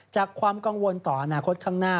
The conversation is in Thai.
ความกังวลต่ออนาคตข้างหน้า